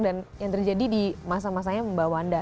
dan yang terjadi di masa masanya mbak wanda